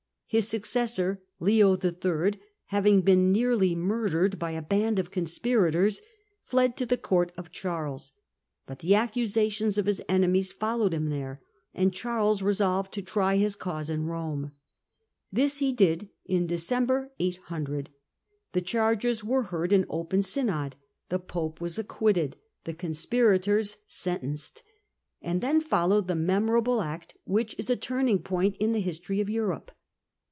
His suc cessor, Leo III., having been nearly murdered by a band of conspirators, fled to the court of Charles ; but the accusations of his enemies followed him there, and Charles resolved to try his cause in Rome. This he did in December, 800 ; the charges were heard in open synod, the pope was acquitted, the conspirators sen Digitized by VjOOQIC Introductory f tenced. And then followed the memorable act which is a turning point in the history of Europe.